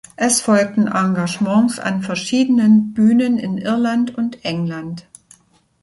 Es folgten Engagements an verschiedenen Bühnen in Irland und England.